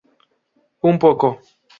Un poco.